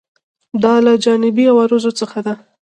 دا له جانبي عوارضو څخه ده.